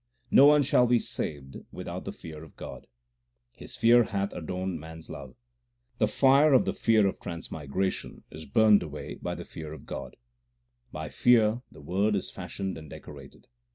No one shall be saved without the fear of God : His fear hath adorned man s love. The fire of the fear of transmigration is burned away by the fear of God. By fear the Word is fashioned and decorated.